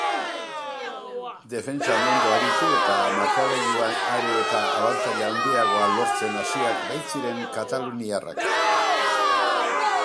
Defentsan ondo aritu eta markagailuan are eta abantaila handiagoa lortzen hasiak baitziren kataluniarrak.